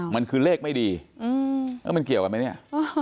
มันคือเลขไม่ดีมันเกี่ยวกันไหมเนี่ย